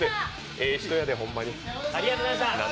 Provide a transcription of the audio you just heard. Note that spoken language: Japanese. ええ人やで、ほんまに。